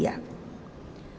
apakah pada saat ini